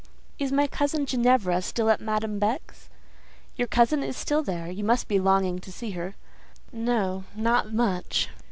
"Is my cousin Ginevra still at Madame Beck's?" "Your cousin is still there; you must be longing to see her." "No—not much."